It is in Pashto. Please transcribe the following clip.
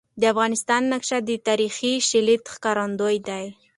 د افغانستان نقشه د تاریخي شالید ښکارندوی ده.